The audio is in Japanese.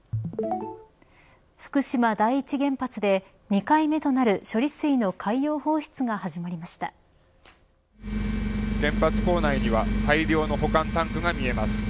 福島第一原発で２回目となる処理水の原発構内には大量の保管タンクが見えます。